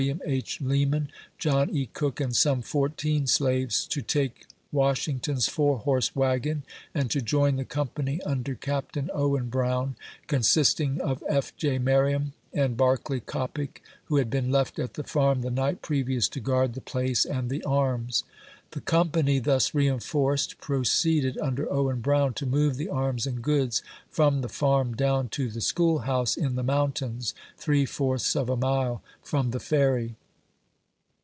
H. Leeraau, John E. Cook, and some fourteen slaves, to take Washington's four horse wagon, and to join the company under Capt. Owen Brown, consisting of F. J. Merriam and Barclay Coppic, who had been left at the Farm the night previous, to guard the place and the arms. The company, thus reinforced, proceeded, under Owen Brown, to move the arms and goods from the Farm down to the school house in the mountains, three fourths of a mile from the Ferry.